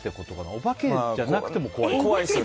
お化けじゃなくても怖いよ。